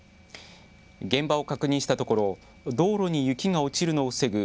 現場を確認したところ道路に雪が落ちるのを防ぐ